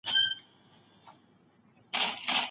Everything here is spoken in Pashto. ښوونکي زموږ پاڼه وړاندي نه کړه.